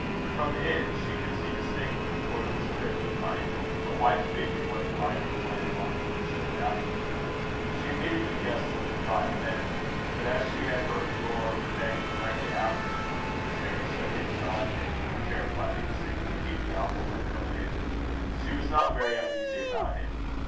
From it she could see distinctly, for it was clear moonlight: a white figure went gliding away along the deserted avenue. She immediately guessed what the cry had meant; but as she had heard a door bang directly after (as Harry shut his behind him with a terrified instinct, to keep the awful window in), she was not very uneasy about him.